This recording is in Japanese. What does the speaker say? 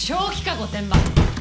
御殿場。